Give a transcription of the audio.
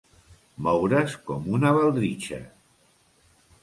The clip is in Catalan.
Moure's com una baldritxa.